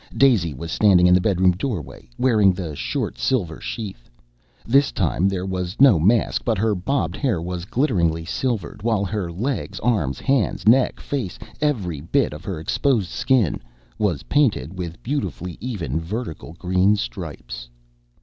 Daisy was standing in the bedroom doorway, wearing the short silver sheath. This time there was no mask, but her bobbed hair was glitteringly silvered, while her legs, arms, hands, neck, face every bit of her exposed skin was painted with beautifully even vertical green stripes.